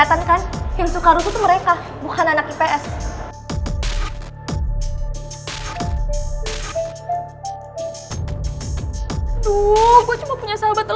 saya nantikan g priest aja lihat